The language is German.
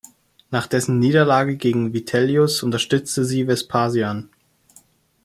Nach dessen Niederlage gegen Vitellius unterstützte sie Vespasian.